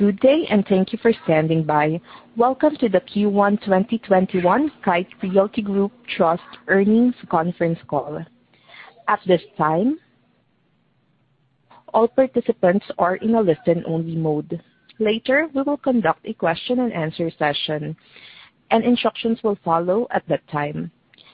Good day. Thank you for standing by. Welcome to the Q1 2021 Kite Realty Group Trust Earnings Conference Call. At this time, all participants are in a listen-only mode. Later, we will conduct a question-and-answer session. Instructions will follow at that time.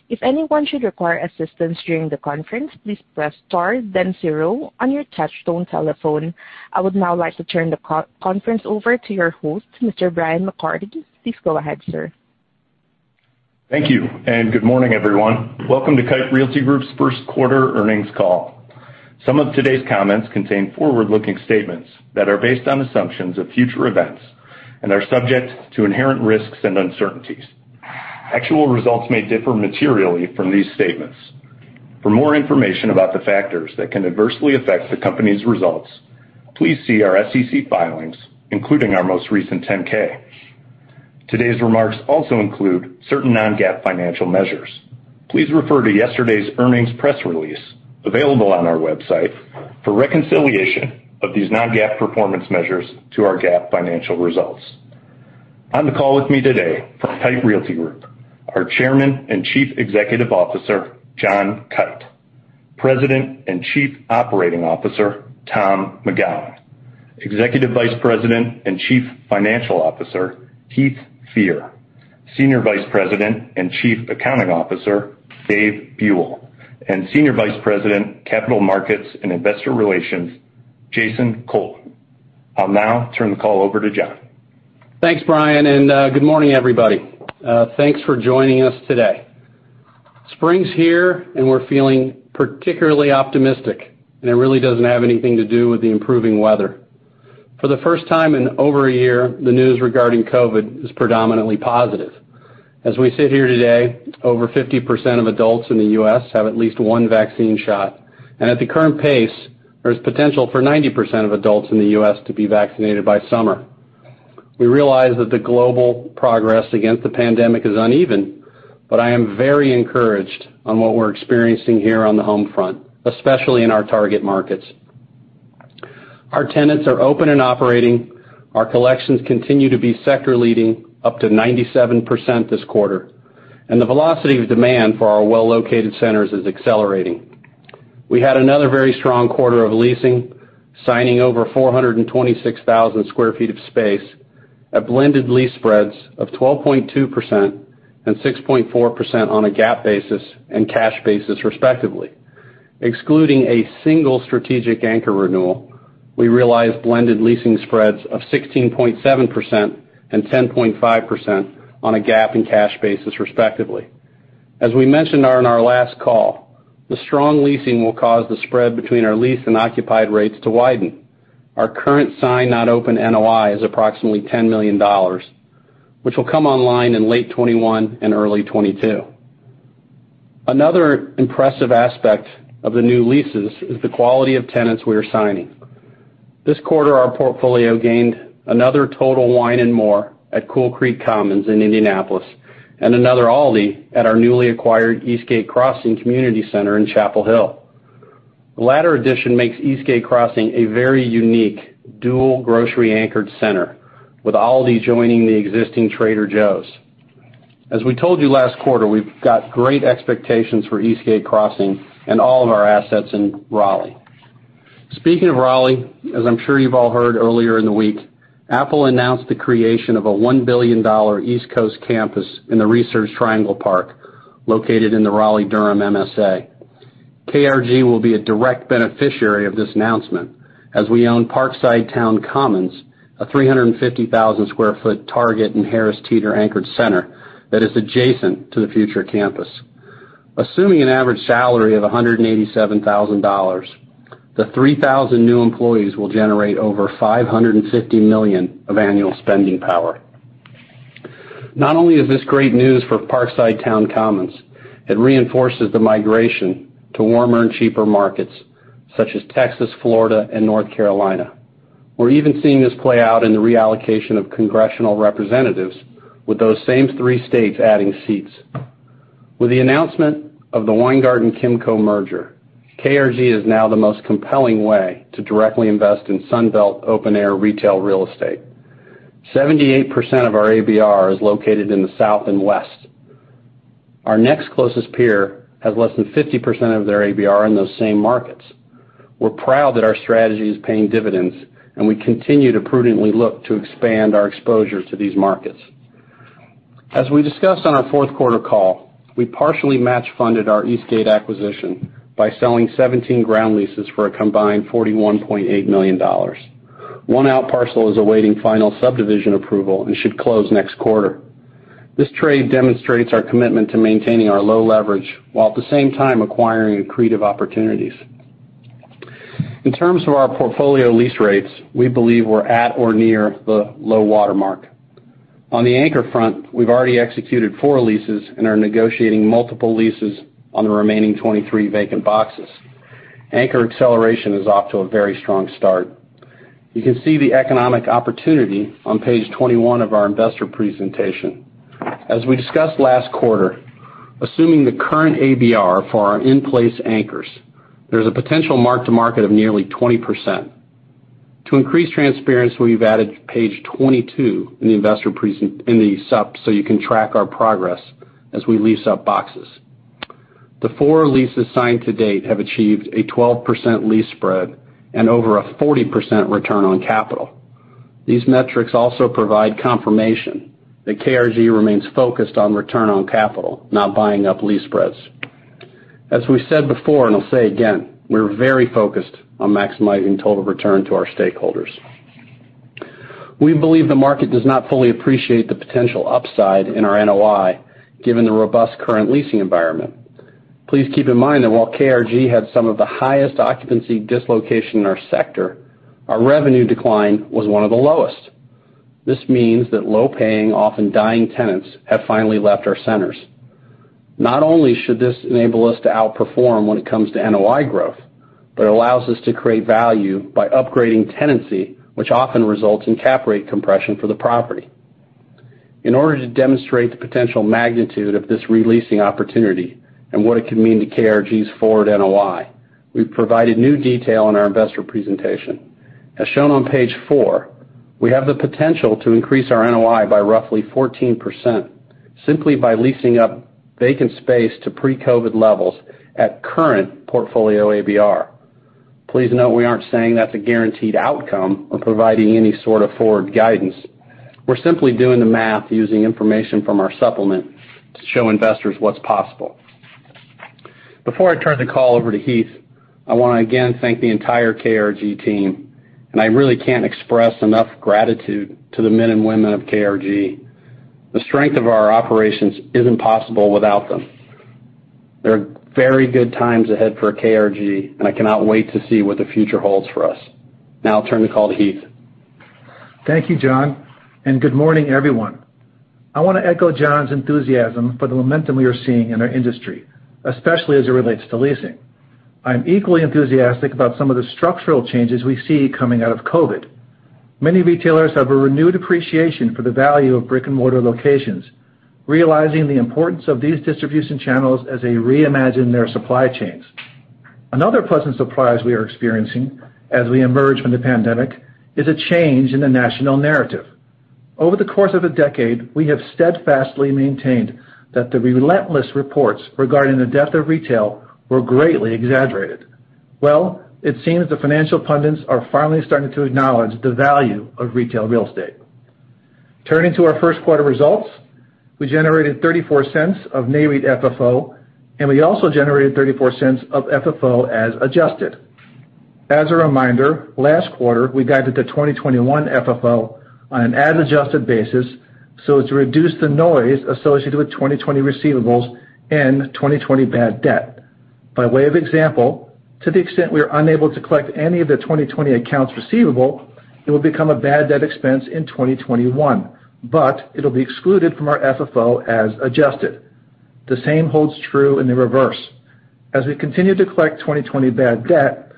If anyone should require assistance during the conference, please press star then zero on your touch-tone telephone. I would now like to turn the conference over to your host, Mr. Bryan McCarthy. Please go ahead, sir. Thank you, and good morning, everyone. Welcome to Kite Realty Group's first-quarter earnings call. Some of today's comments contain forward-looking statements that are based on assumptions of future events and are subject to inherent risks and uncertainties. Actual results may differ materially from these statements. For more information about the factors that can adversely affect the company's results, please see our SEC filings, including our most recent 10-K. Today's remarks also include certain non-GAAP financial measures. Please refer to yesterday's earnings press release, available on our website, for a reconciliation of these non-GAAP performance measures to our GAAP financial results. On the call with me today from Kite Realty Group, our Chairman and Chief Executive Officer, John Kite, President and Chief Operating Officer, Tom McGowan, Executive Vice President and Chief Financial Officer, Heath Fear, Senior Vice President and Chief Accounting Officer, Dave Buell, and Senior Vice President, Capital Markets and Investor Relations, Jason Cole. I'll now turn the call over to John. Thanks, Bryan, good morning, everybody. Thanks for joining us today. Spring's here, we're feeling particularly optimistic, it really doesn't have anything to do with the improving weather. For the first time in over a year, the news regarding COVID is predominantly positive. As we sit here today, over 50% of adults in the U.S. have at least one vaccine shot, at the current pace, there's potential for 90% of adults in the U.S. to be vaccinated by summer. We realize that the global progress against the pandemic is uneven, I am very encouraged on what we're experiencing here on the home front, especially in our target markets. Our tenants are open and operating. Our collections continue to be sector-leading, up to 97% this quarter, the velocity of demand for our well-located centers is accelerating. We had another very strong quarter of leasing, signing over 426,000 sq ft of space at blended lease spreads of 12.2% and 6.4% on a GAAP basis and cash basis respectively. Excluding a single strategic anchor renewal, we realized blended leasing spreads of 16.7% and 10.5% on a GAAP and cash basis respectively. As we mentioned on our last call, the strong leasing will cause the spread between our leased and occupied rates to widen. Our current sign-not-open NOI is approximately $10 million, which will come online in late 2021 and early 2022. Another impressive aspect of the new leases is the quality of tenants we are signing. This quarter, our portfolio gained another Total Wine & More at Cool Creek Commons in Indianapolis and another Aldi at our newly acquired Eastgate Crossing Community Center in Chapel Hill. The latter addition makes Eastgate Crossing a very unique dual grocery-anchored center, with Aldi joining the existing Trader Joe's. As we told you last quarter, we've got great expectations for Eastgate Crossing and all of our assets in Raleigh. Speaking of Raleigh, as I'm sure you've all heard earlier in the week, Apple announced the creation of a $1 billion East Coast campus in the Research Triangle Park, located in the Raleigh-Durham MSA. KRG will be a direct beneficiary of this announcement, as we own Parkside Town Commons, a 350,000-square-foot Target and Harris Teeter-anchored center that is adjacent to the future campus. Assuming an average salary of $187,000, the 3,000 new employees will generate over $550 million of annual spending power. Not only is this great news for Parkside Town Commons, it reinforces the migration to warmer and cheaper markets, such as Texas, Florida, and North Carolina. We're even seeing this play out in the reallocation of congressional representatives, with those same three states adding seats. With the announcement of the Weingarten Kimco merger, KRG is now the most compelling way to directly invest in Sun Belt open-air retail real estate. 78% of our ABR is located in the South and West. Our next closest peer has less than 50% of their ABR in those same markets. We're proud that our strategy is paying dividends, and we continue to prudently look to expand our exposure to these markets. As we discussed on our fourth quarter call, we partially match-funded our Eastgate acquisition by selling 17 ground leases for a combined $41.8 million. One outparcel is awaiting final subdivision approval and should close next quarter. This trade demonstrates our commitment to maintaining our low leverage while at the same time acquiring accretive opportunities. In terms of our portfolio lease rates, we believe we're at or near the low water mark. On the anchor front, we've already executed four leases and are negotiating multiple leases on the remaining 23 vacant boxes. Anchor acceleration is off to a very strong start. You can see the economic opportunity on Page 21 of our investor presentation. As we discussed last quarter, assuming the current ABR for our in-place anchors, there's a potential mark-to-market of nearly 20%. To increase transparency, we've added Page 22 in the investor presentation in the supp so you can track our progress as we lease up boxes. The four leases signed to date have achieved a 12% lease spread and over a 40% return on capital. These metrics also provide confirmation that KRG remains focused on return on capital, not buying up lease spreads. As we said before, and I'll say again, we're very focused on maximizing total return to our stakeholders. We believe the market does not fully appreciate the potential upside in our NOI, given the robust current leasing environment. Please keep in mind that while KRG had some of the highest occupancy dislocation in our sector, our revenue decline was one of the lowest. This means that low-paying, often dying tenants have finally left our centers. Not only should this enable us to outperform when it comes to NOI growth, but it allows us to create value by upgrading tenancy, which often results in cap rate compression for the property. In order to demonstrate the potential magnitude of this re-leasing opportunity and what it could mean to KRG's forward NOI, we've provided new detail in our investor presentation. As shown on page four, we have the potential to increase our NOI by roughly 14%, simply by leasing up vacant space to pre-COVID levels at current portfolio ABR. Please note, we aren't saying that's a guaranteed outcome or providing any sort of forward guidance. We're simply doing the math using information from our supplement to show investors what's possible. Before I turn the call over to Heath, I want to again thank the entire KRG team, and I really can't express enough gratitude to the men and women of KRG. The strength of our operations isn't possible without them. There are very good times ahead for KRG, and I cannot wait to see what the future holds for us. Now I'll turn the call to Heath. Thank you, John. Good morning, everyone. I want to echo John's enthusiasm for the momentum we are seeing in our industry, especially as it relates to leasing. I am equally enthusiastic about some of the structural changes we see coming out of COVID. Many retailers have a renewed appreciation for the value of brick-and-mortar locations, realizing the importance of these distribution channels as they reimagine their supply chains. Another pleasant surprise we are experiencing as we emerge from the pandemic is a change in the national narrative. Over the course of a decade, we have steadfastly maintained that the relentless reports regarding the death of retail were greatly exaggerated. Well, it seems the financial pundits are finally starting to acknowledge the value of retail real estate. Turning to our first quarter results, we generated $0.34 of Nareit FFO, and we also generated $0.34 of FFO as adjusted. As a reminder, last quarter, we guided the 2021 FFO on an as-adjusted basis, so as to reduce the noise associated with 2020 receivables and 2020 bad debt. By way of example, to the extent we are unable to collect any of the 2020 accounts receivable, it will become a bad debt expense in 2021. It'll be excluded from our FFO as adjusted. The same holds true in the reverse. As we continue to collect 2020 bad debt,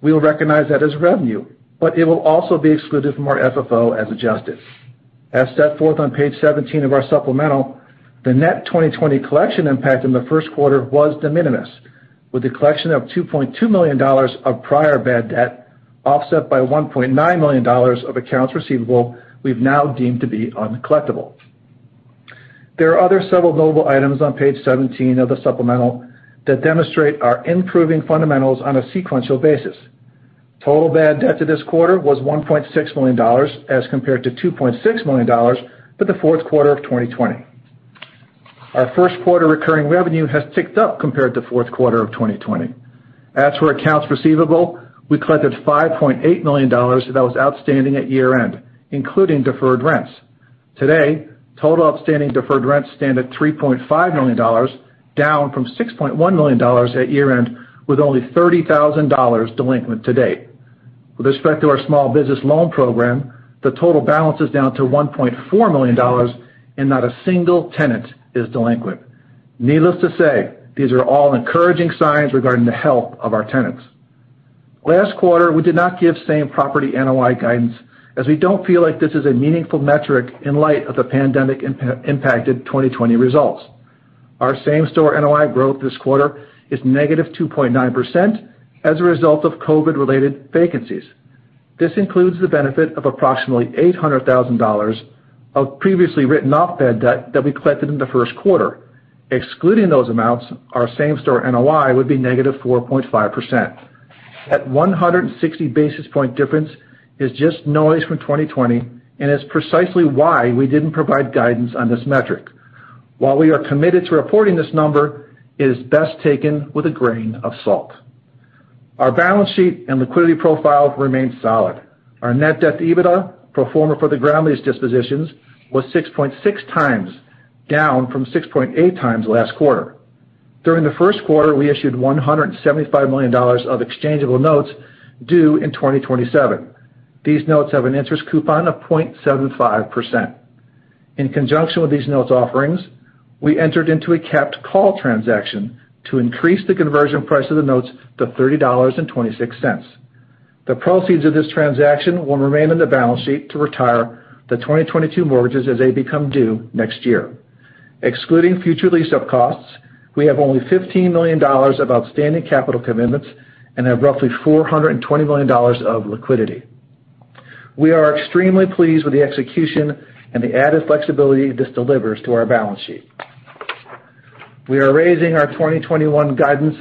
we will recognize that as revenue. It will also be excluded from our FFO as adjusted. As set forth on Page 17 of our supplemental, the net 2020 collection impact in the first quarter was de minimis, with the collection of $2.2 million of prior bad debt offset by $1.9 million of accounts receivable we've now deemed to be uncollectible. There are other several notable items on Page 17 of the supplemental that demonstrate our improving fundamentals on a sequential basis. Total bad debt to this quarter was $1.6 million as compared to $2.6 million for the fourth quarter of 2020. Our first quarter recurring revenue has ticked up compared to fourth quarter of 2020. As for accounts receivable, we collected $5.8 million that was outstanding at year-end, including deferred rents. Today, total outstanding deferred rents stand at $3.5 million, down from $6.1 million at year-end, with only $30,000 delinquent to date. With respect to our small business loan program, the total balance is down to $1.4 million, and not a single tenant is delinquent. Needless to say, these are all encouraging signs regarding the health of our tenants. Last quarter, we did not give same property NOI guidance as we don't feel like this is a meaningful metric in light of the pandemic-impacted 2020 results. Our same-store NOI growth this quarter is -2.9% as a result of COVID-related vacancies. This includes the benefit of approximately $800,000 of previously written-off bad debt that we collected in the first quarter. Excluding those amounts, our same-store NOI would be -4.5%. That 160 basis point difference is just noise from 2020 and is precisely why we didn't provide guidance on this metric. While we are committed to reporting this number, it is best taken with a grain of salt. Our balance sheet and liquidity profile remain solid. Our net debt to EBITDA pro forma for the ground lease dispositions was 6.6x, down from 6.8x last quarter. During the first quarter, we issued $175 million of exchangeable notes due in 2027. These notes have an interest coupon of 0.75%. In conjunction with these notes offerings, we entered into a capped call transaction to increase the conversion price of the notes to $30.26. The proceeds of this transaction will remain on the balance sheet to retire the 2022 mortgages as they become due next year. Excluding future lease-up costs, we have only $15 million of outstanding capital commitments and have roughly $420 million of liquidity. We are extremely pleased with the execution and the added flexibility this delivers to our balance sheet. We are raising our 2021 guidance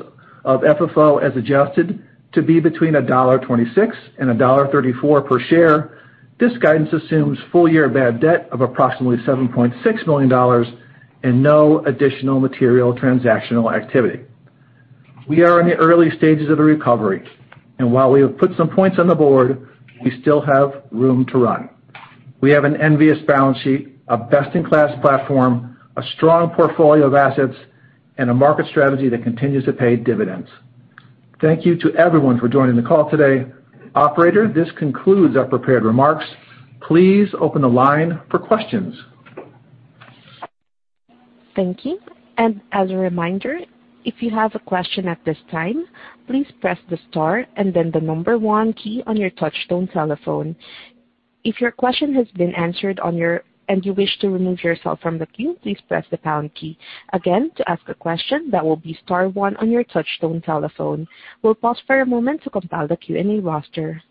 of FFO as adjusted to be between $1.26 and $1.34 per share. This guidance assumes full year bad debt of approximately $7.6 million and no additional material transactional activity. We are in the early stages of the recovery, and while we have put some points on the board, we still have room to run. We have an envious balance sheet, a best-in-class platform, a strong portfolio of assets, and a market strategy that continues to pay dividends. Thank you to everyone for joining the call today. Operator, this concludes our prepared remarks. Please open the line for questions. Thank you. As a reminder, if you have a question at this time, please press the star and then the number one key on your touch-tone telephone. If your question has been answered and you wish to remove yourself from the queue, please press the pound key. Again, to ask a question, that will be star one on your touch-tone telephone. We'll pause for a moment to compile the Q&A roster.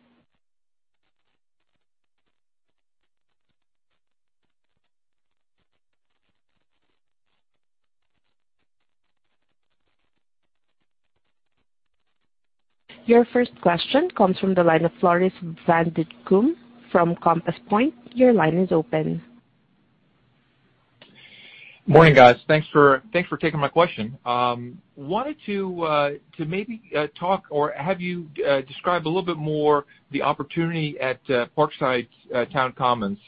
Your first question comes from the line of Floris van Dijkum from Compass Point. Your line is open. Morning, guys. Thanks for taking my question. Wanted to maybe talk or have you describe a little bit more the opportunity at Parkside Town Commons.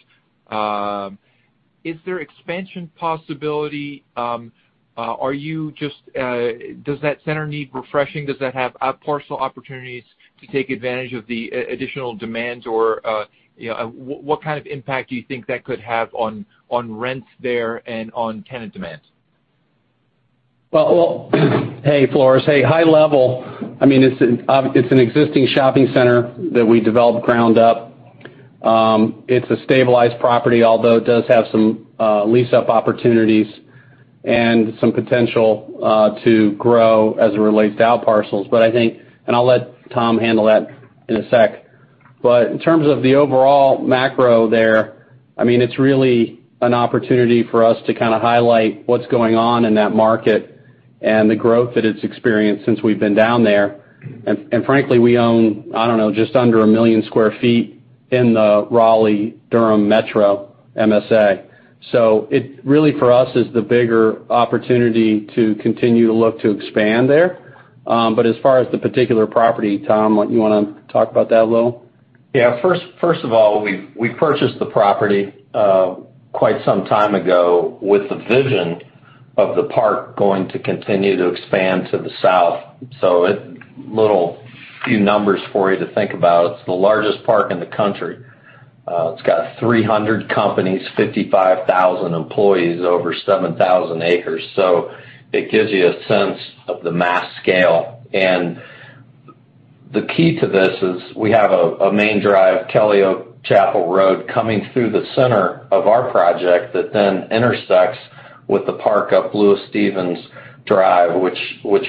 Is there expansion possibility? Does that center need refreshing? Does that have parcel opportunities to take advantage of the additional demand, or what kind of impact do you think that could have on rents there and on tenant demand? Well, hey, Floris. Hey, high level, it's an existing shopping center that we developed ground up. It's a stabilized property, although it does have some lease-up opportunities and some potential to grow as it relates to outparcels. I think, and I'll let Tom handle that in a sec. In terms of the overall macro there, it's really an opportunity for us to kind of highlight what's going on in that market and the growth that it's experienced since we've been down there. Frankly, we own, I don't know, just under 1,000,000 sq ft in the Raleigh-Durham metro MSA. It really, for us, is the bigger opportunity to continue to look to expand there. As far as the particular property, Tom, you want to talk about that a little? First of all, we purchased the property quite some time ago with the vision of the park going to continue to expand to the south. A few numbers for you to think about. It's the largest park in the country. It's got 300 companies, 55,000 employees, over 7,000 acres. It gives you a sense of the mass scale. The key to this is we have a main drive, Kelly Oaks Chapel Road, coming through the center of our project that intersects with the park up Louis Stephens Drive, which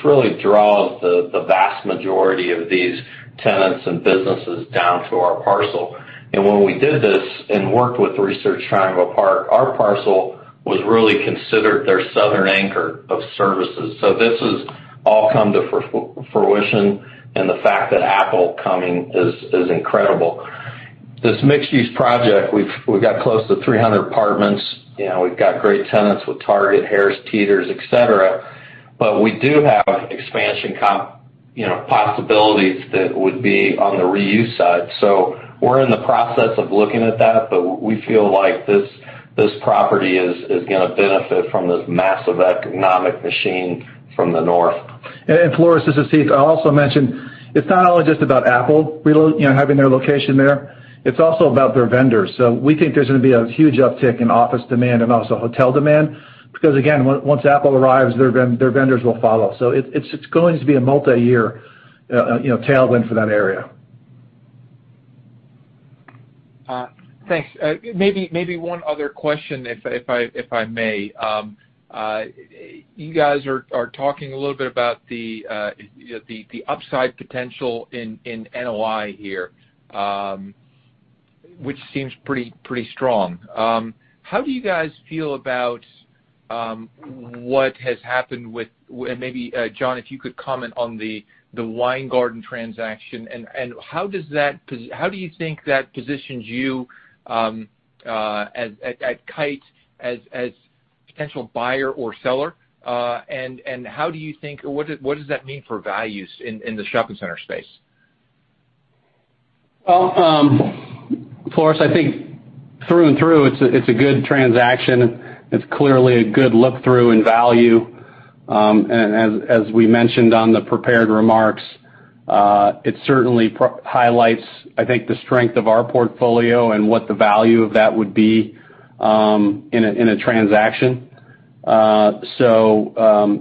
really draws the vast majority of these tenants and businesses down to our parcel. When we did this and worked with Research Triangle Park, our parcel was really considered their southern anchor of services. This has all come to fruition, the fact that Apple coming is incredible. This mixed-use project, we've got close to 300 apartments. We've got great tenants with Target, Harris Teeter, et cetera. We do have expansion possibilities that would be on the reuse side. We're in the process of looking at that, but we feel like this property is going to benefit from this massive economic machine from the north. Floris, this is Heath. I also mentioned it's not only just about Apple having their location there, it's also about their vendors. We think there's going to be a huge uptick in office demand and also hotel demand, because again, once Apple arrives, their vendors will follow. It's going to be a multi-year tailwind for that area. Thanks. Maybe one other question, if I may. You guys are talking a little bit about the upside potential in NOI here, which seems pretty strong. How do you guys feel about what has happened with maybe, John, if you could comment on the Weingarten transaction, and how do you think that positions you at Kite as potential buyer or seller? What does that mean for values in the shopping center space? Floris, I think through and through, it's a good transaction. It's clearly a good look-through in value. As we mentioned on the prepared remarks, it certainly highlights, I think, the strength of our portfolio and what the value of that would be in a transaction.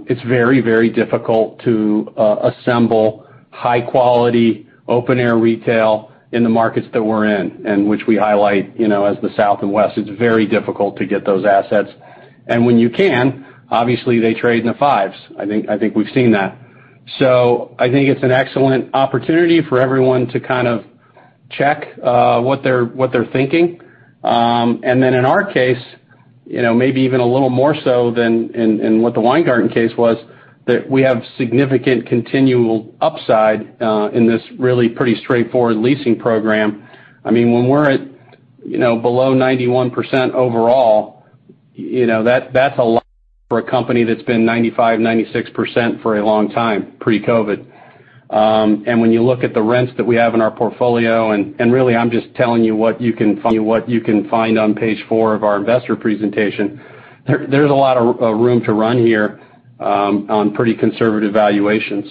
It's very, very difficult to assemble high-quality open-air retail in the markets that we're in, and which we highlight as the South and West. It's very difficult to get those assets. When you can, obviously they trade in the fives. I think we've seen that. I think it's an excellent opportunity for everyone to kind of check what they're thinking. Then in our case, maybe even a little more so than in what the Weingarten case was, that we have significant continual upside, in this really pretty straightforward leasing program. When we're at below 91% overall, that's a lot for a company that's been 95%, 96% for a long time, pre-COVID. When you look at the rents that we have in our portfolio, and really, I'm just telling you what you can find on page four of our investor presentation, there's a lot of room to run here, on pretty conservative valuations.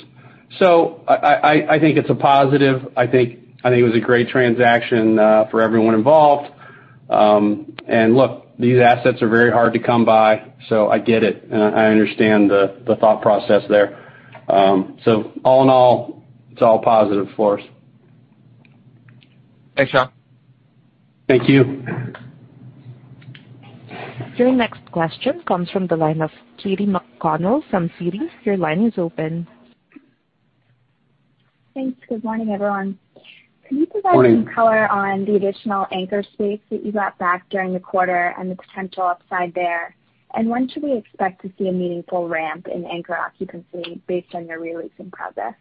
I think it's a positive. I think it was a great transaction for everyone involved. Look, these assets are very hard to come by, so I get it, and I understand the thought process there. All in all, it's all positive for us. Thanks, John. Thank you. Your next question comes from the line of Katy McConnell from Citi. Your line is open. Thanks. Good morning, everyone. Morning. Can you provide some color on the additional anchor space that you got back during the quarter and the potential upside there? When should we expect to see a meaningful ramp in anchor occupancy based on your re-leasing process?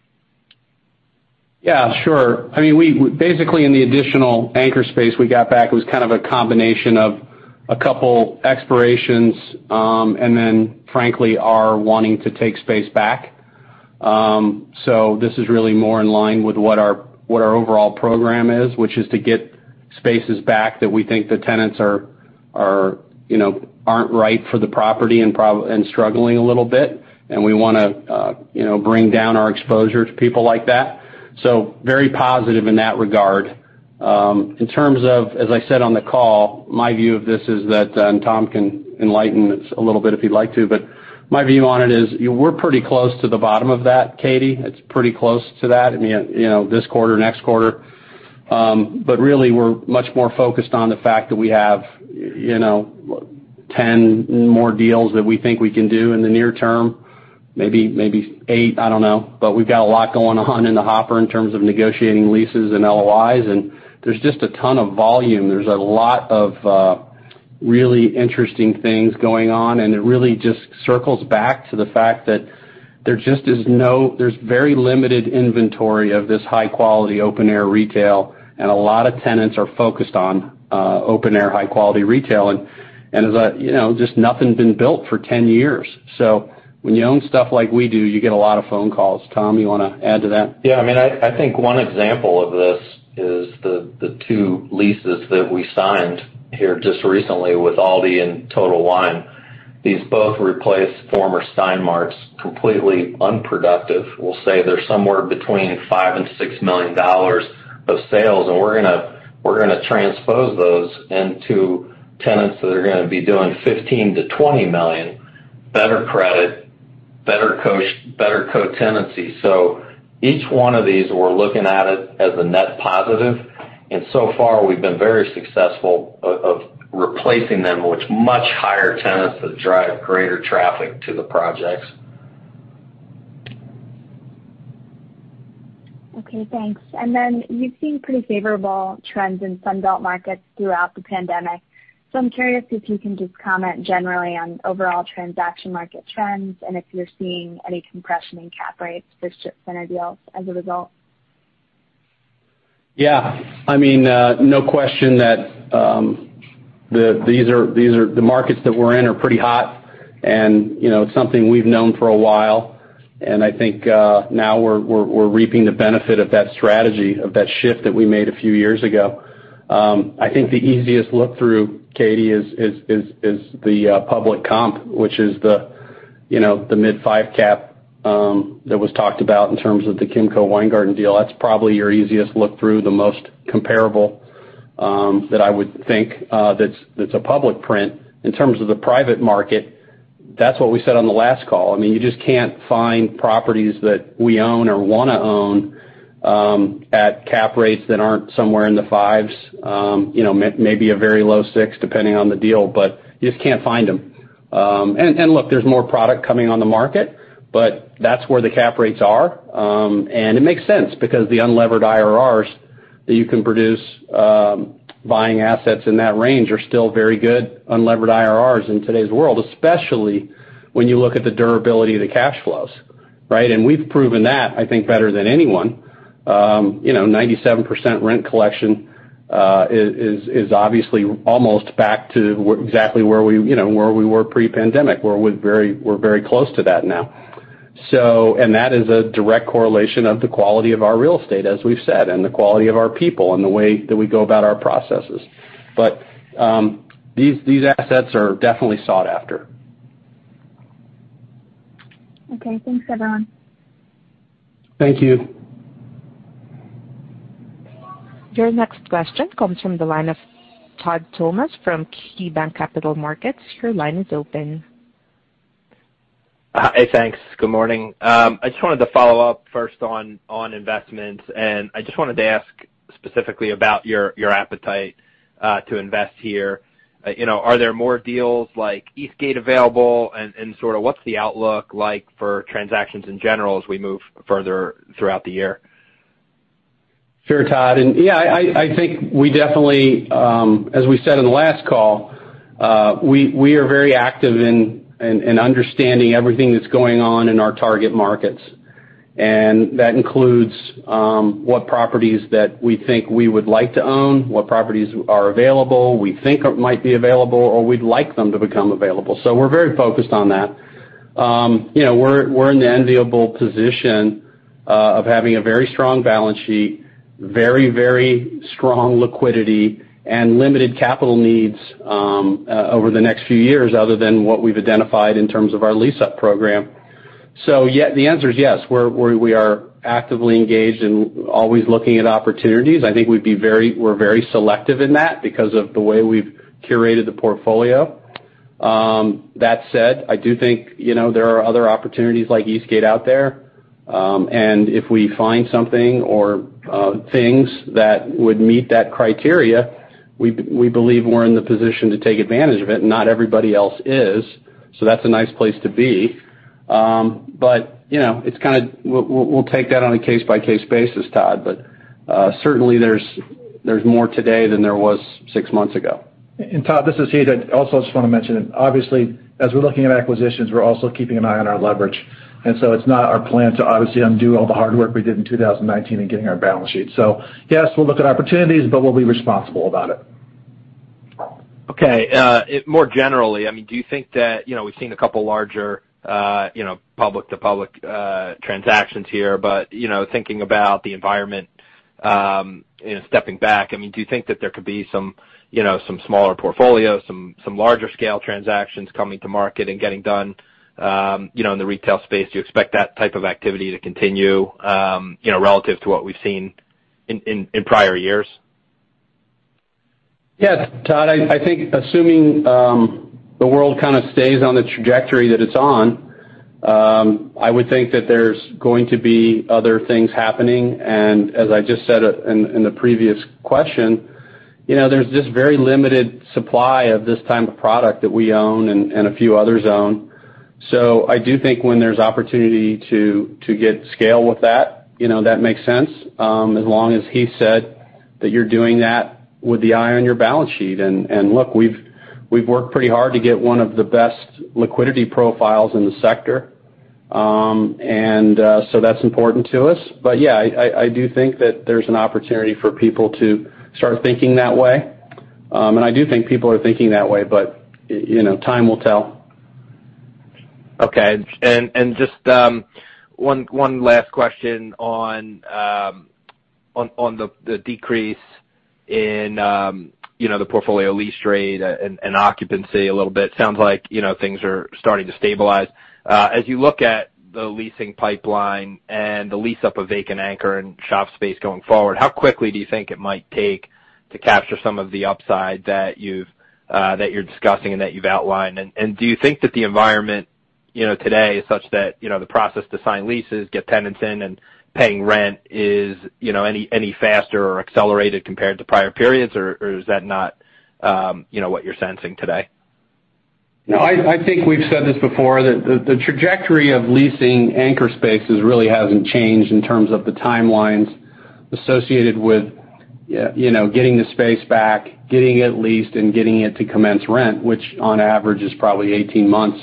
Yeah, sure. Basically in the additional anchor space we got back, it was kind of a combination of a couple expirations, and then frankly, our wanting to take space back. This is really more in line with what our overall program is, which is to get spaces back that we think the tenants aren't right for the property and struggling a little bit. We want to bring down our exposure to people like that. Very positive in that regard. In terms of, as I said on the call, my view of this is that, and Thomas can enlighten us a little bit if he'd like to, but my view on it is we're pretty close to the bottom of that, Katy. It's pretty close to that, this quarter, next quarter. Really, we're much more focused on the fact that we have 10 more deals that we think we can do in the near term. Maybe eight, I don't know. We've got a lot going on in the hopper in terms of negotiating leases and LOIs, and there's just a ton of volume. There's a lot of really interesting things going on, and it really just circles back to the fact that there's very limited inventory of this high-quality open-air retail, and a lot of tenants are focused on open-air, high-quality retail, and just nothing's been built for 10 years. When you own stuff like we do, you get a lot of phone calls. Tom, you want to add to that? Yeah, I think one example of this is the two leases that we signed here just recently with Aldi and Total Wine. These both replace former Stein Marts, completely unproductive. We'll say they're somewhere between $5 million-$6 million of sales, and we're going to transpose those into tenants that are going to be doing $15 million-$20 million. Better credit, better co-tenancy. Each one of these, we're looking at it as a net positive, and so far, we've been very successful of replacing them with much higher tenants that drive greater traffic to the projects. Okay, thanks. You've seen pretty favorable trends in Sun Belt markets throughout the pandemic. I'm curious if you can just comment generally on overall transaction market trends and if you're seeing any compression in cap rates for strip center deals as a result. Yeah. No question that the markets that we're in are pretty hot, it's something we've known for a while. I think now we're reaping the benefit of that strategy, of that shift that we made a few years ago. I think the easiest look-through, Katy, is the public comp, which is the mid five cap that was talked about in terms of the Kimco-Weingarten deal. That's probably your easiest look-through, the most comparable, that I would think that's a public print. In terms of the private market, that's what we said on the last call. You just can't find properties that we own or want to own, at cap rates that aren't somewhere in the fives. Maybe a very low six, depending on the deal, you just can't find them. Look, there's more product coming on the market, but that's where the cap rates are. It makes sense because the unlevered IRRs that you can produce buying assets in that range are still very good unlevered IRRs in today's world, especially when you look at the durability of the cash flows, right? We've proven that, I think, better than anyone. 97% rent collection is obviously almost back to exactly where we were pre-pandemic. We're very close to that now. That is a direct correlation of the quality of our real estate, as we've said, and the quality of our people and the way that we go about our processes. These assets are definitely sought after. Okay. Thanks, everyone. Thank you. Your next question comes from the line of Todd Thomas from KeyBanc Capital Markets. Your line is open. Hi. Thanks. Good morning. I just wanted to follow up first on investments, and I just wanted to ask specifically about your appetite to invest here. Are there more deals like Eastgate available, and what's the outlook like for transactions in general as we move further throughout the year? Sure, Todd. Yeah, I think we definitely, as we said in the last call, we are very active in understanding everything that's going on in our target markets. That includes what properties that we think we would like to own, what properties are available, we think might be available, or we'd like them to become available. We're very focused on that. We're in the enviable position of having a very strong balance sheet, very strong liquidity, and limited capital needs over the next few years, other than what we've identified in terms of our lease-up program. The answer is yes, we are actively engaged and always looking at opportunities. I think we're very selective in that because of the way we've curated the portfolio. That said, I do think there are other opportunities like Eastgate out there. If we find something or things that would meet that criteria, we believe we're in the position to take advantage of it, and not everybody else is. That's a nice place to be. We'll take that on a case-by-case basis, Todd. Certainly there's more today than there was six months ago. Todd, this is Heath. I also just want to mention, obviously, as we're looking at acquisitions, we're also keeping an eye on our leverage. It's not our plan to obviously undo all the hard work we did in 2019 in getting our balance sheet. Yes, we'll look at opportunities, but we'll be responsible about it. Okay. More generally, we've seen a couple of larger public-to-public transactions here. Thinking about the environment, stepping back, do you think that there could be some smaller portfolios, some larger scale transactions coming to market and getting done in the retail space? Do you expect that type of activity to continue relative to what we've seen in prior years? Yes, Todd, I think assuming the world kind of stays on the trajectory that it's on, I would think that there's going to be other things happening. As I just said in the previous question, there's just very limited supply of this type of product that we own and a few others own. I do think when there's opportunity to get scale with that makes sense. As long as Heath said that you're doing that with the eye on your balance sheet. Look, we've worked pretty hard to get one of the best liquidity profiles in the sector. Yeah, I do think that there's an opportunity for people to start thinking that way, and I do think people are thinking that way, but time will tell. Okay. Just one last question on the decrease in the portfolio lease rate and occupancy a little bit. Sounds like things are starting to stabilize. As you look at the leasing pipeline and the lease-up of vacant anchor and shop space going forward, how quickly do you think it might take to capture some of the upside that you're discussing and that you've outlined? Do you think that the environment today is such that the process to sign leases, get tenants in and paying rent is any faster or accelerated compared to prior periods, or is that not what you're sensing today? I think we've said this before, that the trajectory of leasing anchor spaces really hasn't changed in terms of the timelines associated with getting the space back, getting it leased, and getting it to commence rent, which on average is probably 18 months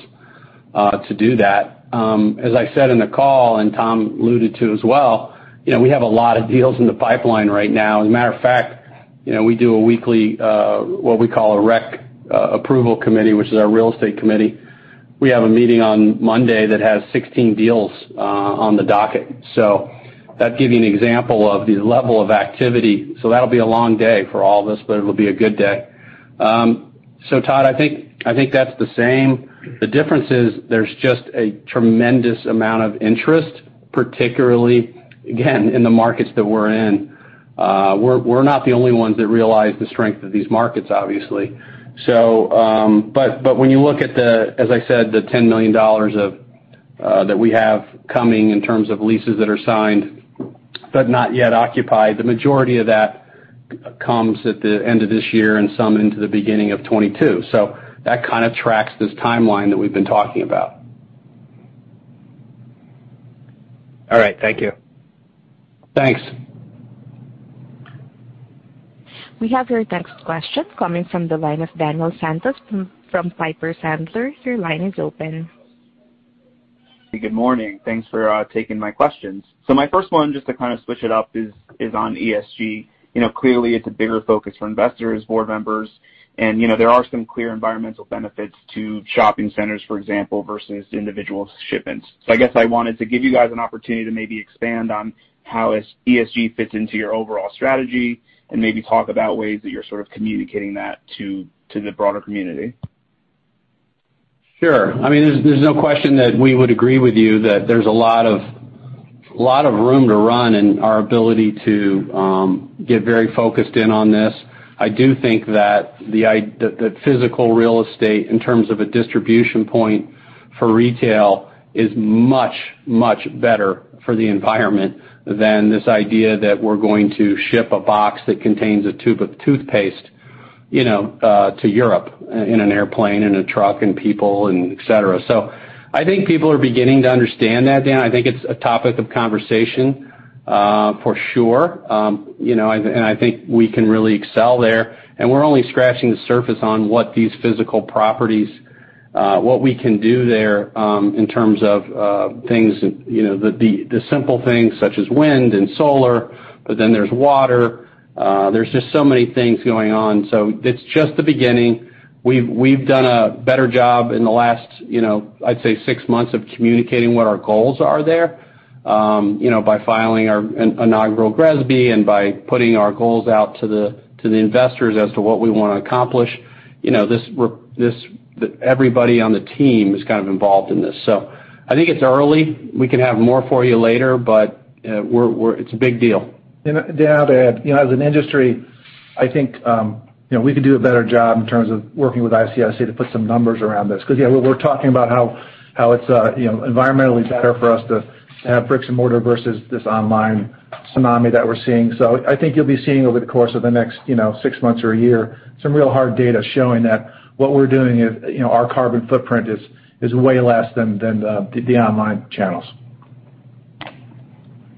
to do that. As I said in the call, Tom alluded to as well, we have a lot of deals in the pipeline right now. As a matter of fact, we do a weekly what we call a REC approval committee, which is our real estate committee. We have a meeting on Monday that has 16 deals on the docket. That will give you an example of the level of activity. That'll be a long day for all of us, but it'll be a good day. Todd, I think that's the same. The difference is there's just a tremendous amount of interest, particularly, again, in the markets that we're in. We're not the only ones that realize the strength of these markets, obviously. When you look at the, as I said, the $10 million that we have coming in terms of leases that are signed but not yet occupied, the majority of that comes at the end of this year and some into the beginning of 2022. That kind of tracks this timeline that we've been talking about. All right. Thank you. Thanks. We have your next question coming from the line of Daniel Santos from Piper Sandler. Your line is open. Good morning. Thanks for taking my questions. My first one, just to kind of switch it up, is on ESG. Clearly it's a bigger focus for investors, board members, and there are some clear environmental benefits to shopping centers, for example, versus individual shipments. I guess I wanted to give you guys an opportunity to maybe expand on how ESG fits into your overall strategy and maybe talk about ways that you're sort of communicating that to the broader community. Sure. There's no question that we would agree with you that there's a lot of room to run in our ability to get very focused in on this. I do think that the physical real estate, in terms of a distribution point for retail, is much, much better for the environment than this idea that we're going to ship a box that contains a tube of toothpaste to Europe in an airplane, in a truck, and people, et cetera. I think people are beginning to understand that, Dan. I think it's a topic of conversation for sure. I think we can really excel there, and we're only scratching the surface on what these physical properties, what we can do there in terms of the simple things such as wind and solar, but then there's water. There's just so many things going on. It's just the beginning. We've done a better job in the last, I'd say, six months of communicating what our goals are there, by filing our inaugural GRESB and by putting our goals out to the investors as to what we want to accomplish. Everybody on the team is kind of involved in this. I think it's early. We can have more for you later, but it's a big deal. Dan, I'll add, as an industry, I think we could do a better job in terms of working with ICSC to put some numbers around this, because we're talking about how it's environmentally better for us to have bricks and mortar versus this online tsunami that we're seeing. I think you'll be seeing over the course of the next six months or a year, some real hard data showing that what we're doing, our carbon footprint is way less than the online channels.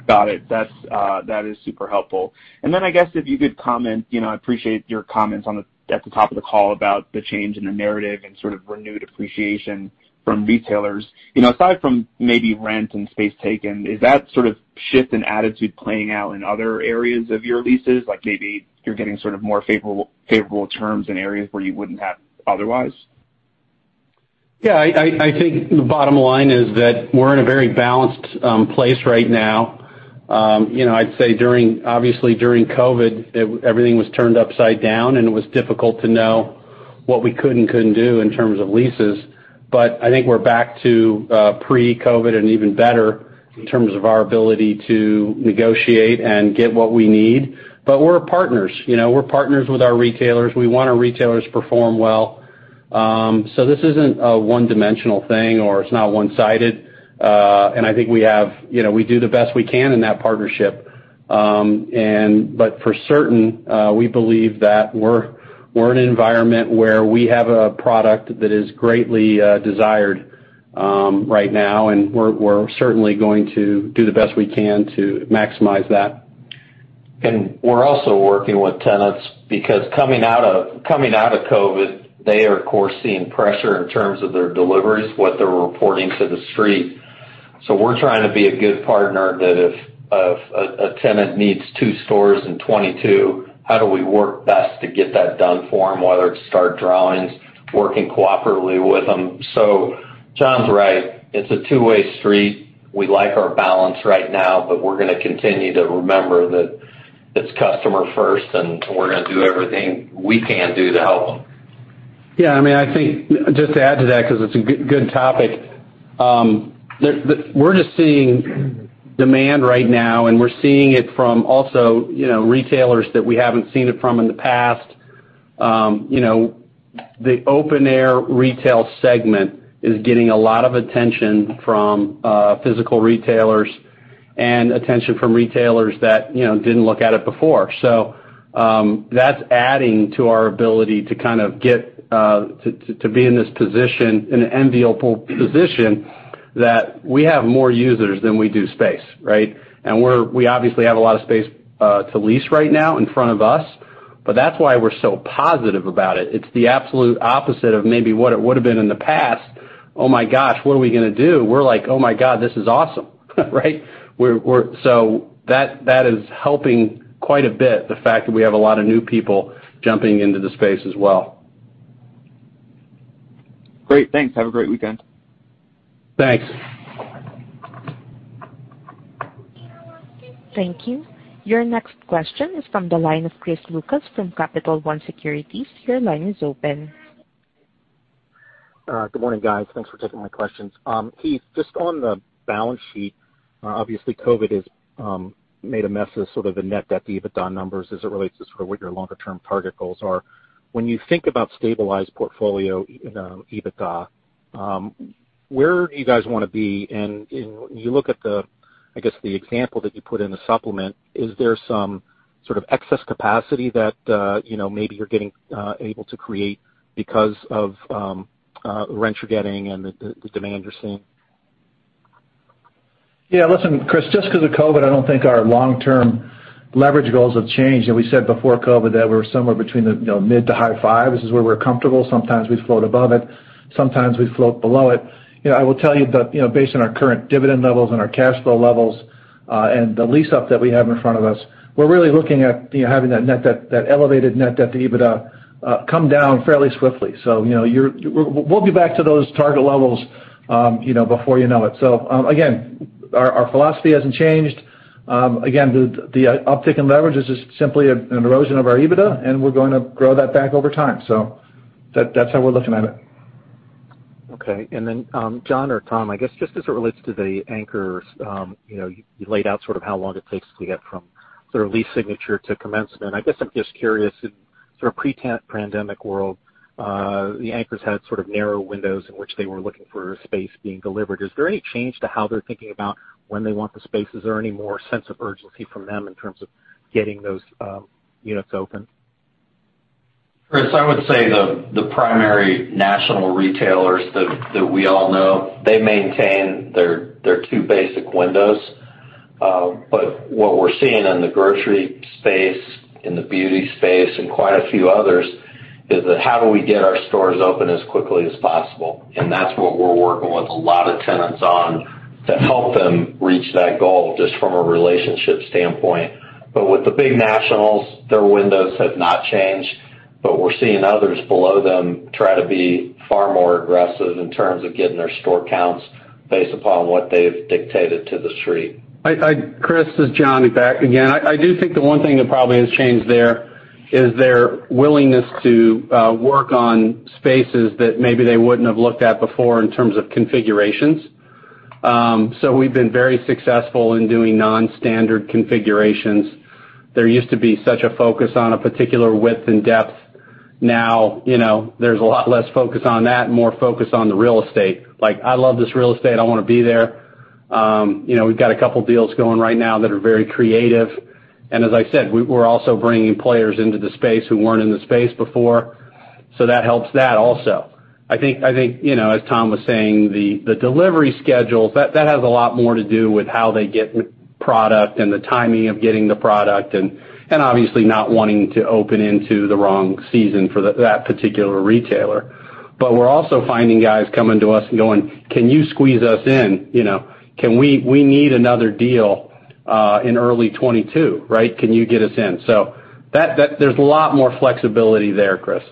Got it. That is super helpful. I guess if you could comment, I appreciate your comments at the top of the call about the change in the narrative and sort of renewed appreciation from retailers. Aside from maybe rent and space taken, is that sort of shift in attitude playing out in other areas of your leases? Like maybe you're getting sort of more favorable terms in areas where you wouldn't have otherwise? Yeah, I think the bottom line is that we're in a very balanced place right now. I'd say obviously during COVID, everything was turned upside down, and it was difficult to know what we could and couldn't do in terms of leases. I think we're back to pre-COVID and even better in terms of our ability to negotiate and get what we need. We're partners. We're partners with our retailers. We want our retailers to perform well. This isn't a one-dimensional thing, or it's not one-sided. I think we do the best we can in that partnership. For certain, we believe that we're in an environment where we have a product that is greatly desired right now, and we're certainly going to do the best we can to maximize that. We're also working with tenants, because coming out of COVID, they are, of course, seeing pressure in terms of their deliveries, what they're reporting to the street. We're trying to be a good partner that if a tenant needs two stores in 2022, how do we work best to get that done for them, whether it's start drawings, working cooperatively with them. John's right. It's a two-way street. We like our balance right now, but we're going to continue to remember that it's customer first, and we're going to do everything we can do to help them. Yeah, I think just to add to that, because it's a good topic. We're just seeing demand right now, and we're seeing it from also retailers that we haven't seen it from in the past. The open air retail segment is getting a lot of attention from physical retailers and attention from retailers that didn't look at it before. That's adding to our ability to kind of get to be in this position, in an enviable position that we have more users than we do space, right? We obviously have a lot of space to lease right now in front of us, but that's why we're so positive about it. It's the absolute opposite of maybe what it would've been in the past. Oh my gosh, what are we going to do? We're like, oh my God, this is awesome, right? That is helping quite a bit, the fact that we have a lot of new people jumping into the space as well. Great. Thanks. Have a great weekend. Thanks. Thank you. Your next question is from the line of Chris Lucas from Capital One Securities. Your line is open. Good morning, guys. Thanks for taking my questions. Heath, just on the balance sheet, obviously COVID has made a mess of sort of the net debt to EBITDA numbers as it relates to sort of what your longer-term target goals are. When you think about stabilized portfolio EBITDA, where do you guys want to be? You look at the example that you put in the supplement, is there some sort of excess capacity that maybe you're getting able to create because of rents you're getting and the demand you're seeing? Yeah, listen, Chris, just because of COVID, I don't think our long-term leverage goals have changed. We said before COVID that we were somewhere between the mid to high fives is where we're comfortable. Sometimes we float above it, sometimes we float below it. I will tell you that based on our current dividend levels and our cash flow levels, and the lease up that we have in front of us, we're really looking at having that elevated net debt to EBITDA come down fairly swiftly. We'll be back to those target levels before you know it. Again, our philosophy hasn't changed. Again, the uptick in leverage is just simply an erosion of our EBITDA, and we're going to grow that back over time. That's how we're looking at it. Okay. John or Tom, I guess just as it relates to the anchors, you laid out sort of how long it takes to get from sort of lease signature to commencement. I guess I'm just curious in sort of pre-pandemic world, the anchors had sort of narrow windows in which they were looking for space being delivered. Is there any change to how they're thinking about when they want the space? Is there any more sense of urgency from them in terms of getting those units open? Chris, I would say the primary national retailers that we all know, they maintain their two basic windows. What we're seeing in the grocery space, in the beauty space, and quite a few others, is that how do we get our stores open as quickly as possible? That's what we're working with a lot of tenants on to help them reach that goal, just from a relationship standpoint. With the big nationals, their windows have not changed, but we're seeing others below them try to be far more aggressive in terms of getting their store counts based upon what they've dictated to the street. Chris, this is John back again. I do think the one thing that probably has changed there is their willingness to work on spaces that maybe they wouldn't have looked at before in terms of configurations. We've been very successful in doing non-standard configurations. There used to be such a focus on a particular width and depth. Now, there's a lot less focus on that and more focus on the real estate. Like, I love this real estate. I want to be there. We've got a couple deals going right now that are very creative. As I said, we're also bringing players into the space who weren't in the space before, so that helps that also. I think, as Tom was saying, the delivery schedules, that has a lot more to do with how they get product and the timing of getting the product, and obviously not wanting to open into the wrong season for that particular retailer. We're also finding guys coming to us and going, Can you squeeze us in? We need another deal, in early 2022. Can you get us in? There's a lot more flexibility there, Chris.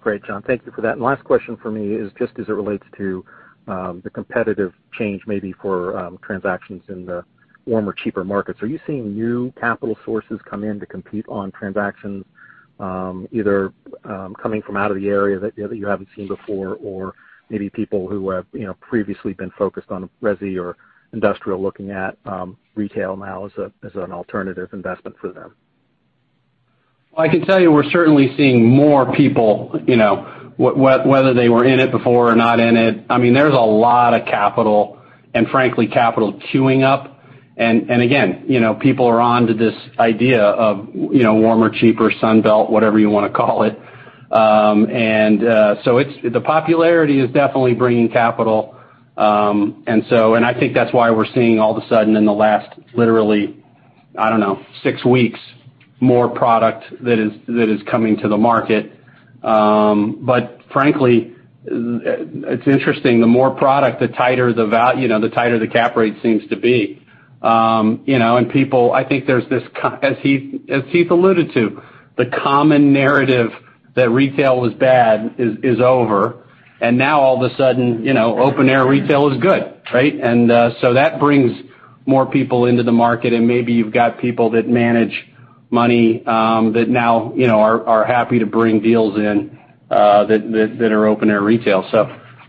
Great, John. Thank you for that. Last question from me is just as it relates to the competitive change, maybe for transactions in the warmer, cheaper markets. Are you seeing new capital sources come in to compete on transactions, either coming from out of the area that you haven't seen before, or maybe people who have previously been focused on resi or industrial, looking at retail now as an alternative investment for them? I can tell you we're certainly seeing more people, whether they were in it before or not in it. There's a lot of capital, frankly, capital queuing up. Again, people are onto this idea of warmer, cheaper Sun Belt, whatever you want to call it. The popularity is definitely bringing capital. I think that's why we're seeing all of a sudden in the last literally, I don't know, six weeks, more product that is coming to the market. Frankly, it's interesting, the more product, the tighter the cap rate seems to be. People, I think there's this, as Heath alluded to, the common narrative that retail is bad is over. Now all of a sudden, open-air retail is good, right. That brings more people into the market, and maybe you've got people that manage money, that now are happy to bring deals in that are open-air retail.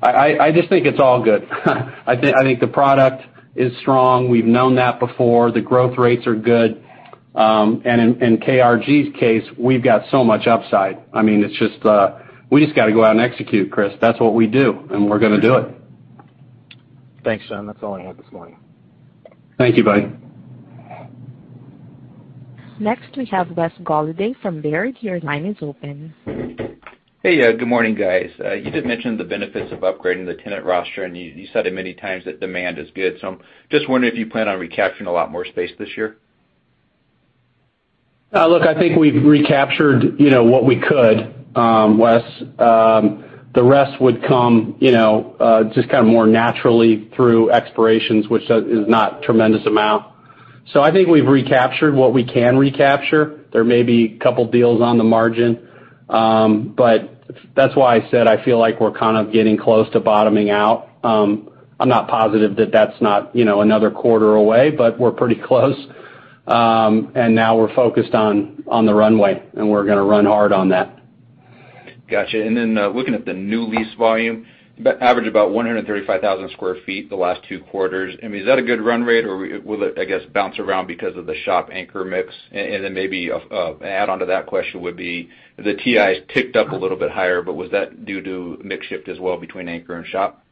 I just think it's all good. I think the product is strong. We've known that before. The growth rates are good. In KRG's case, we've got so much upside. We just got to go out and execute, Chris. That's what we do, and we're going to do it. Thanks, John. That's all I had this morning. Thank you, buddy. Next, we have Wes Golladay from Baird. Your line is open. Hey. Good morning, guys. You did mention the benefits of upgrading the tenant roster, and you said it many times that demand is good. I'm just wondering if you plan on recapturing a lot more space this year. Look, I think we've recaptured what we could, Wes. The rest would come just kind of more naturally through expirations, which is not tremendous amount. I think we've recaptured what we can recapture. There may be a couple deals on the margin. That's why I said I feel like we're kind of getting close to bottoming out. I'm not positive that that's not another quarter away, but we're pretty close. Now we're focused on the runway, and we're going to run hard on that. Got you. Looking at the new lease volume, average about 135,000 sq ft the last two quarters. I mean, is that a good run rate, or will it, I guess, bounce around because of the shop anchor mix? Maybe an add-on to that question would be, the TIs ticked up a little bit higher, but was that due to mix shift as well between anchor and shop?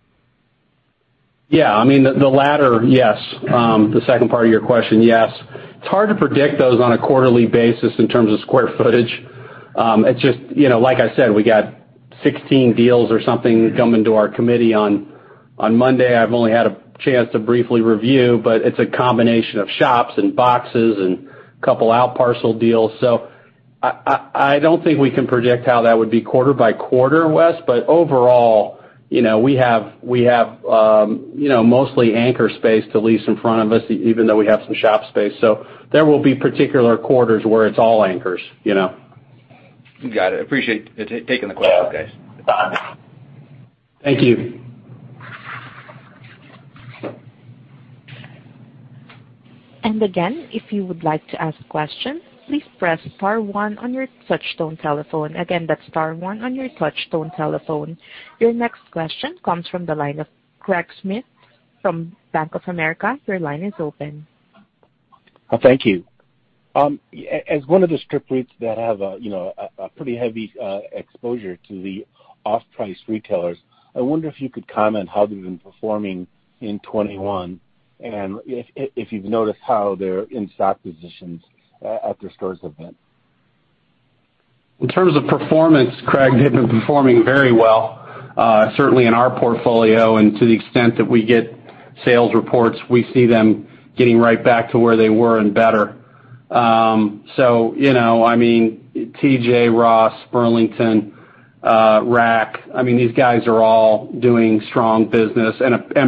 The latter, yes. The second part of your question, yes. It's hard to predict those on a quarterly basis in terms of square footage. It's just, like I said, we got 16 deals or something coming to our committee on Monday. I've only had a chance to briefly review, it's a combination of shops and boxes and a couple outparcel deals. I don't think we can project how that would be quarter-by quarter, Wes, but overall we have mostly anchor space to lease in front of us, even though we have some shop space. There will be particular quarters where it's all anchors. Got it. Appreciate taking the questions, guys. Thank you. Again, if you would like to ask a question, please press star one on your touchtone telephone. Again, that's star one on your touchtone telephone. Your next question comes from the line of Craig Schmidt from Bank of America. Your line is open. Thank you. As one of the strip REITs that have a pretty heavy exposure to the off-price retailers, I wonder if you could comment how they've been performing in 2021, and if you've noticed how their in-stock positions at their stores have been. In terms of performance, Craig, they've been performing very well, certainly in our portfolio. To the extent that we get sales reports, we see them getting right back to where they were and better. I mean, TJ Ross, Burlington, Nordstrom Rack, these guys are all doing strong business.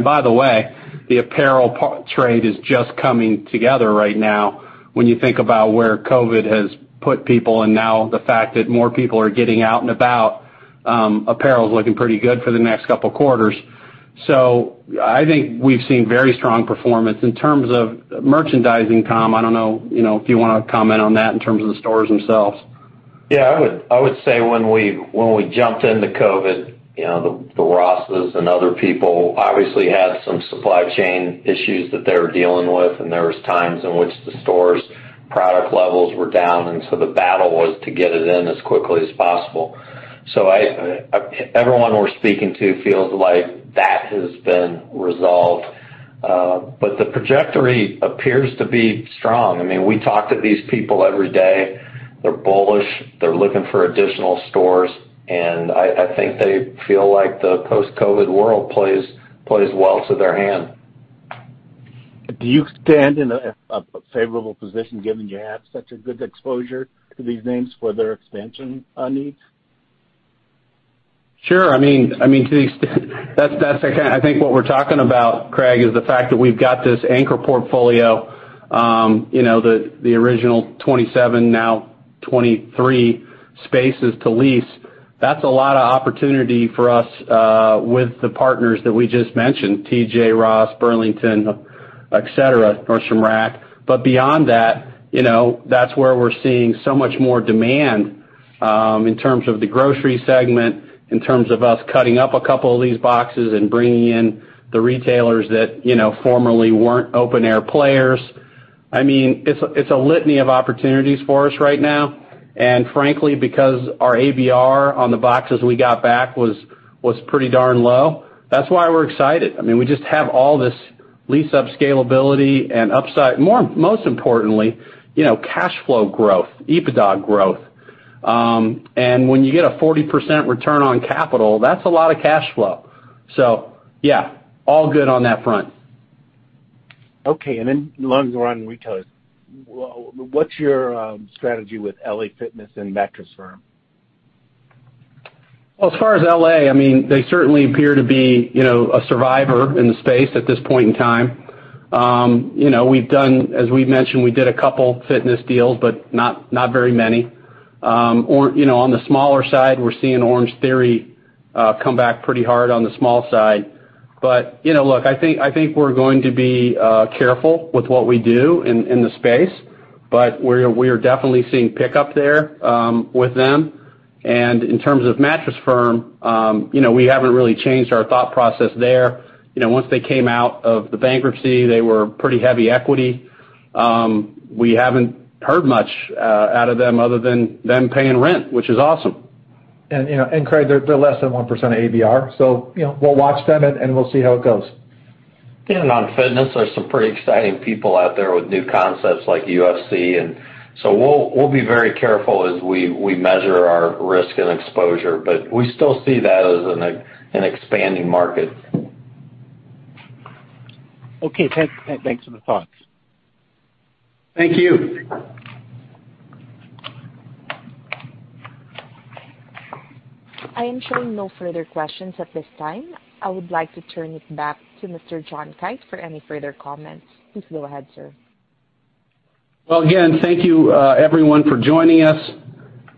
By the way, the apparel trade is just coming together right now. When you think about where COVID has put people and now the fact that more people are getting out and about, apparel is looking pretty good for the next couple of quarters. I think we've seen very strong performance. In terms of merchandising, Tom, I don't know if you want to comment on that in terms of the stores themselves. I would say when we jumped into COVID, the Rosses and other people obviously had some supply chain issues that they were dealing with, and there was times in which the stores' product levels were down, and so the battle was to get it in as quickly as possible. Everyone we're speaking to feels like that has been resolved. The trajectory appears to be strong. We talk to these people every day. They're bullish. They're looking for additional stores, and I think they feel like the post-COVID world plays well to their hand. Do you stand in a favorable position given you have such a good exposure to these names for their expansion needs? Sure. I think what we're talking about, Craig, is the fact that we've got this anchor portfolio, the original 27, now 23 spaces to lease. That's a lot of opportunity for us with the partners that we just mentioned, TJX, Ross, Burlington, et cetera, Nordstrom Rack. Beyond that's where we're seeing so much more demand in terms of the grocery segment, in terms of us cutting up a couple of these boxes and bringing in the retailers that formerly weren't open-air players. It's a litany of opportunities for us right now. Frankly, because our ABR on the boxes we got back was pretty darn low. That's why we're excited. We just have all this lease-up scalability and upside. Most importantly, cash flow growth, EBITDA growth. When you get a 40% return on capital, that's a lot of cash flow. yeah, all good on that front. Okay, long run retailers, what's your strategy with LA Fitness and Mattress Firm? Well, as far as L.A., they certainly appear to be a survivor in the space at this point in time. As we've mentioned, we did a couple fitness deals, but not very many. On the smaller side, we're seeing Orangetheory come back pretty hard on the small side. Look, I think we're going to be careful with what we do in the space, but we are definitely seeing pickup there with them. In terms of Mattress Firm, we haven't really changed our thought process there. Once they came out of the bankruptcy, they were pretty heavy equity. We haven't heard much out of them other than them paying rent, which is awesome. Craig, they're less than 1% ABR, so we'll watch them and we'll see how it goes. On fitness, there's some pretty exciting people out there with new concepts like UFC, and so we'll be very careful as we measure our risk and exposure, but we still see that as an expanding market. Okay. Thanks for the thoughts. Thank you. I am showing no further questions at this time. I would like to turn it back to Mr. John Kite for any further comments. Please go ahead, sir. Well, again, thank you everyone for joining us.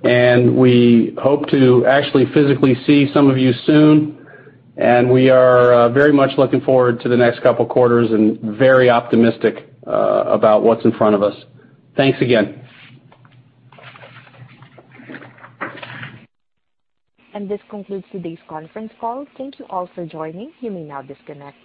We hope to actually physically see some of you soon. We are very much looking forward to the next couple quarters and very optimistic about what's in front of us. Thanks again. This concludes today's conference call. Thank you all for joining. You may now disconnect.